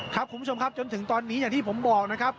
คุณผู้ชมครับจนถึงตอนนี้อย่างที่ผมบอกนะครับ